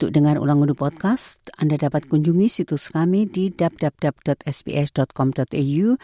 dengan ulang ulang podcast anda dapat kunjungi situs kami di www sps com au